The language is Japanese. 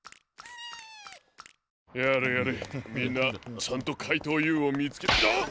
やれやれみんなちゃんとかいとうＵをみつけあっ！